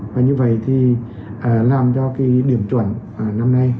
và như vậy thì làm cho cái điểm chuẩn năm nay